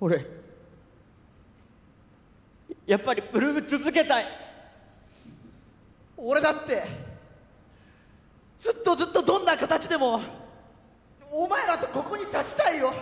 俺やっぱり８ＬＯＯＭ続けたい俺だってずっとずっとどんな形でもお前らとここに立ちたいよ